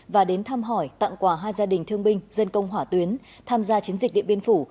và đến thăm hỏi tặng quà hai gia đình thương binh dân công hỏa tuyến tham gia chiến dịch điện biên phủ